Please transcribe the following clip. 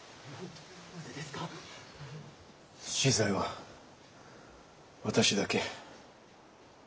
死罪は私だけ。